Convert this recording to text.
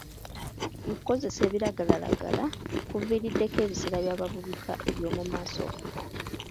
Okukozesa ebiragala kuviiriddeko ebiseera by'abavubuka eby'omu maaso okufa.